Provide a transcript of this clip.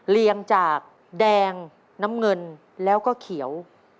เรียงจากแดงน้ำเงินแล้วก็เขียว